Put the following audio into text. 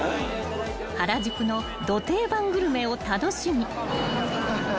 ［原宿のど定番グルメを楽しみ］